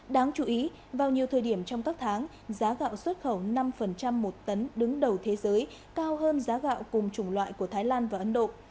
đáng chú ý vào nhiều thời điểm trong các tháng giá gạo xuất khẩu năm một tấn đứng đầu thế giới cao hơn giá gạo cùng chủng loại của thái lan và ấn độ